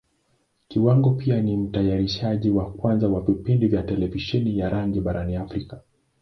Kiwango pia ni Mtayarishaji wa kwanza wa vipindi vya Televisheni ya rangi barani Africa.